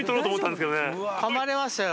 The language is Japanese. かまれましたよ。